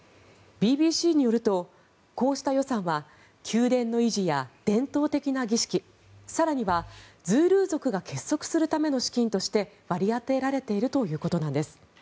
ＢＢＣによると、こうした予算は宮殿の維持や伝統的な儀式更にはズールー族が結束するための資金として割り当てられているということなんです。